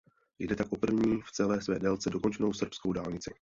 Jde tak o první v celé své délce dokončenou srbskou dálnici.